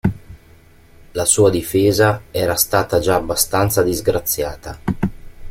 La sua difesa era stata già abbastanza disgraziata.